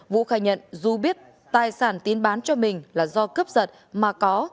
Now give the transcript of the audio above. vũ khai nhận dù biết tài sản tín bán cho mình là do cướp giật mà có